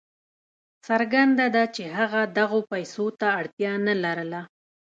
څرګنده ده چې هغه دغو پیسو ته اړتیا نه لرله.